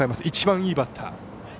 一番いいバッター。